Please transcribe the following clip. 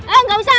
eh gak usah